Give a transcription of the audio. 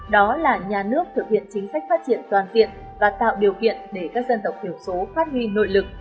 đó là nhà nước thực hiện chính sách phát triển toàn tiện và tạo điều kiện để các dân tộc thiểu số phát huy nội lực